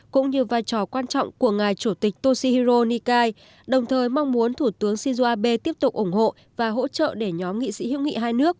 cũng như vai trò quan trọng của ngài chủ tịch toshihiro nikai đồng thời mong muốn thủ tướng shinzo abe tiếp tục ủng hộ và hỗ trợ để nhóm nghị sĩ hữu nghị hai nước